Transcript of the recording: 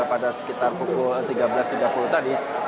pada sekitar pukul tiga belas tiga puluh tadi